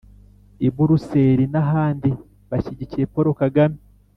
i buruseli n'ahandi bashyigikiye paul kagame